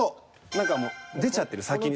何かもう出ちゃってる先に。